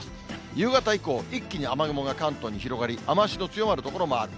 夕方以降、一気に雨雲が関東に広がり、雨足の強まる所もある。